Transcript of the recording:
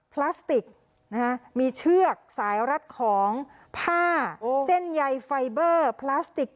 พลาสติกมีเชือกสายรัดของผ้าเส้นใยไฟเบอร์พลาสติก